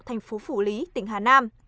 thành phố phủ lý tỉnh hà nam